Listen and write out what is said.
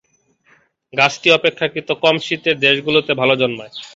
গাছটি অপেক্ষাকৃত কম শীতের দেশগুলোতে ভালো জন্মায়।